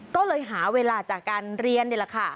ก็เลยหาเวลาจากการเรียนนี่แหละค่ะ